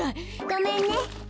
ごめんね。